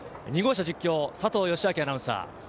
２号車実況は佐藤義朗アナウンサー。